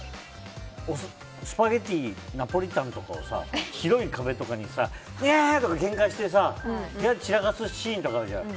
スパゲティのナポリタンとか白い壁とかにエーイ！とかけんかして部屋を散らかすシーンとかあるじゃん。